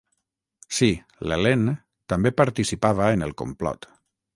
Sí, l'Helene també participava en el complot.